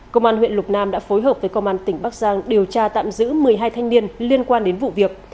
công an huyện lục nam đã phối hợp với công an tỉnh bắc giang điều tra tạm giữ một mươi hai thanh niên liên quan đến vụ việc